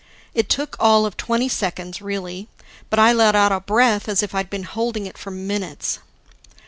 It took all of twenty seconds, really. But I let out a breath as if I'd been holding it for minutes.